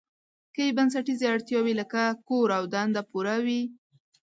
که یې بنسټیزې اړتیاوې لکه کور او دنده پوره وي.